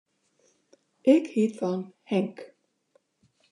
Ik hjit fan Henk.